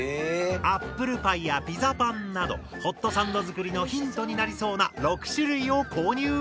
アップルパイやピザパンなどホットサンド作りのヒントになりそうな６種類を購入。